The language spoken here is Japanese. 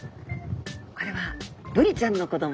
これはブリちゃんの子ども。